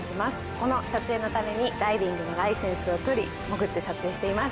この撮影のためにダイビングのライセンスをとり潜って撮影しています